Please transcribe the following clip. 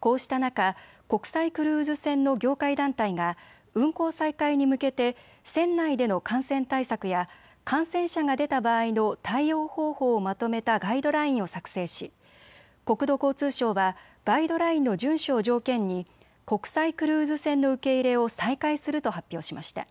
こうした中、国際クルーズ船の業界団体が運航再開に向けて船内での感染対策や感染者が出た場合の対応方法をまとめたガイドラインを作成し国土交通省はガイドラインの順守を条件に国際クルーズ船の受け入れを再開すると発表しました。